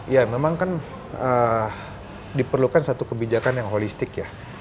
ya memang kan diperlukan satu kebijakan yang holistik ya